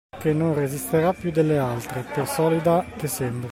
Che non resisterà piú delle altre, per solida che sembri.